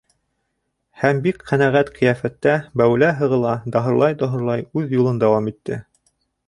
Һәм бик ҡәнәғәт ҡиәфәттә бәүелә-һығыла, даһырлай-доһорлай үҙ юлын дауам итте.